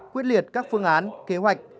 quyết liệt các phương án kế hoạch